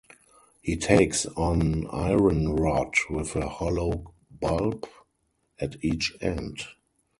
He takes an iron rod with a hollow bulb at each end.